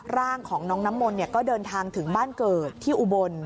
ร่างของน้องน้ำมนต์ก็เดินทางถึงบ้านเกิดที่อุบล